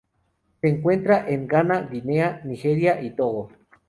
Se encuentra en Ghana, Guinea, Nigeria y Togo.